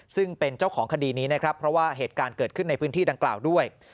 ซึ่งเป็นเจ้าของคดีนี้นะครับเพราะว่าเหตุการณ์เกิดขึ้นในพื้นที่ดังกล่าวด้วย